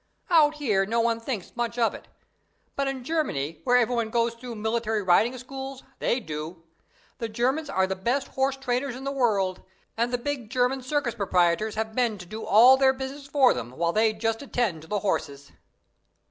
Out here no one thinks much of it. But in Germany, where everyone goes through military riding schools, they do. The Germans are the best horse trainers in the world; and the big German circus proprietors have men to do all their business for them, while they just attend to the horses."